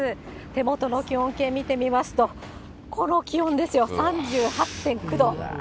手元の気温計見てみますと、この気温ですよ、３８．９度。